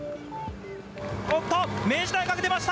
おっと、明治大学、出ました。